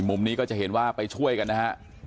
มุมนี้ก็จะเห็นว่าไปช่วยกันนะฮะ